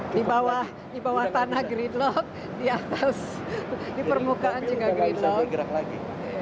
cuman aurang punya roda harius lady presence ini telah diangkat untuk bekerja media